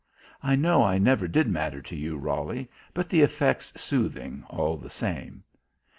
I know I never did matter to you, Roly, but the effect's soothing, all the same....